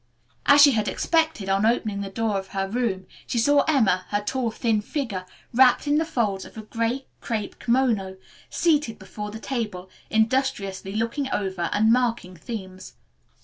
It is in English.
As she had expected, on opening the door of her room, she saw Emma, her tall, thin figure wrapped in the folds of a gay crepe kimono, seated before the table, industriously looking over, and marking, themes.